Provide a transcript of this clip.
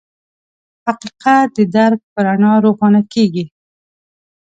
حقیقت د درک په رڼا روښانه کېږي.